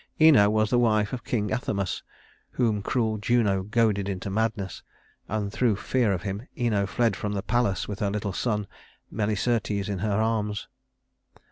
Ino was the wife of King Athamas, whom cruel Juno goaded into madness; and through fear of him Ino fled from the palace with her little son, Melicertes, in her arms.